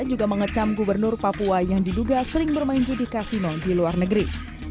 juga mengecam gubernur papua yang diduga sering bermain judi kasino di luar negeri